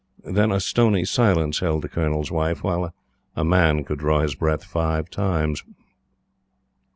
Then a stony silence held the Colonel's Wife, while a man could draw his breath five times.